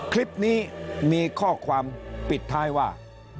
คลิปนี้มีข้อความปิดท้ายว่า